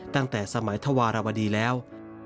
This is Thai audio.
ตั้งแต่สมัยธวรวดีแล้ว